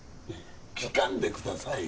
聞かんでください